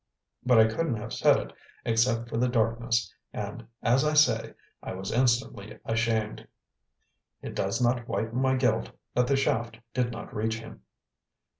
But I couldn't have said it except for the darkness, and, as I say, I was instantly ashamed. It does not whiten my guilt that the shaft did not reach him.